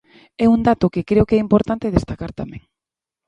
É un dato que creo que é importante destacar tamén.